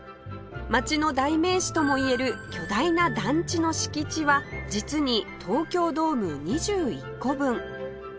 街の代名詞とも言える巨大な団地の敷地は実に東京ドーム２１個分